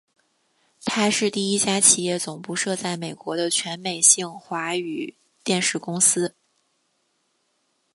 它是第一家企业总部设在美国的全美性华语电视公司。